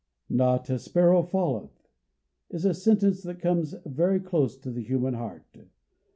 "Not a sparrow falleth" is a sentence that comes very close to the human heart.